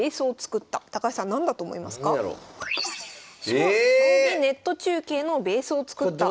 「将棋ネット中継のベースを作った」。